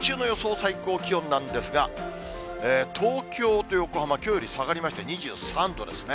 最高気温なんですが、東京と横浜、きょうより下がりまして、２３度ですね。